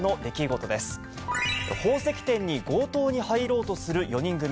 宝石店に強盗に入ろうとする４人組。